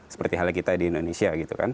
seperti halnya kita di indonesia